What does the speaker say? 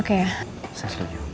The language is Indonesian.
oke saya setuju